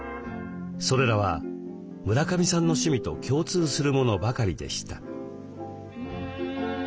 それらは村上さんの趣味と共通するものばかりでした。